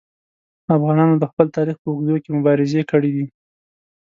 افغانانو د خپل تاریخ په اوږدو کې مبارزې کړي دي.